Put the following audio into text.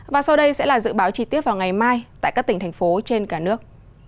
và sau đây sẽ là dự báo chi tiết vào ngày mai tại các tỉnh thành phố trên cả nước